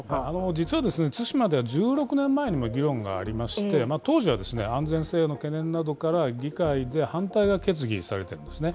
実はですね、対馬では１６年前にも議論がありまして、当時は安全性への懸念から議会で反対が決議されているんですね。